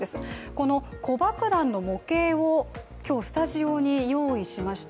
この子爆弾の模型を今日、スタジオに用意しました。